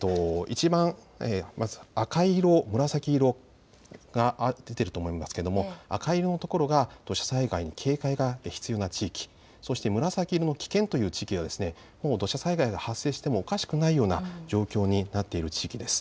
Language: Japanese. まず赤色、紫色が出ていると思いますけれども赤色の所が土砂災害に警戒が必要な地域、そして紫色の危険という地域はもう土砂災害が発生していてもおかしくないような状況になっている地域です。